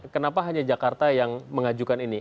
kenapa hanya jakarta yang mengajukan ini